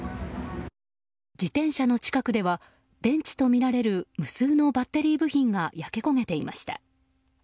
自転車の近くでは電池とみられる無数のバッテリー部品が焼け焦げていました。